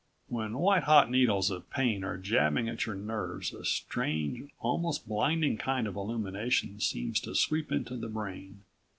When white hot needles of pain are jabbing at your nerves a strange, almost blinding kind of illumination seems to sweep into the brain.